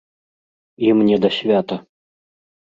Ім не да свята.